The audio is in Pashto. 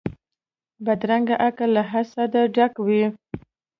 بدرنګه عقل له حسده ډک وي